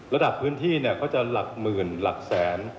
ระดับพื้นที่เขาจะหลักหมื่นหลักแสน